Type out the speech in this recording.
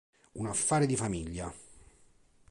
Un affare di famiglia